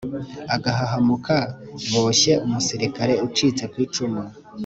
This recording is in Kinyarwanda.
agahahamuka boshye umusirikare ucitse ku icumu.